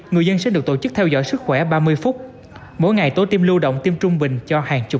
người dân sẽ được tổ chức theo dõi sức khỏe ba mươi phút mỗi ngày tố tiêm lưu động tiêm trung bình